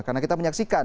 karena kita menyaksikan